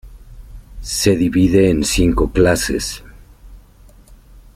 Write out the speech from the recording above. Se divide en cinco clases.